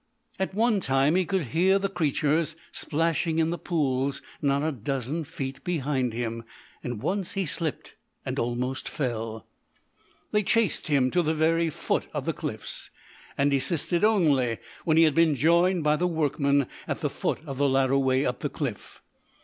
At one time he could hear the creatures splashing in the pools not a dozen feet behind him, and once he slipped and almost fell. They chased him to the very foot of the cliffs, and desisted only when he had been joined by the workmen at the foot of the ladder way up the cliff.